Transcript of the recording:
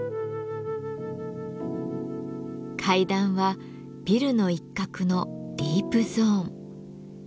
階段はビルの一角のディープゾーン。